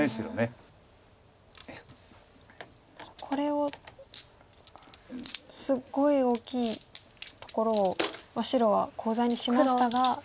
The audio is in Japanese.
これをすごい大きいところを白はコウ材にしましたが。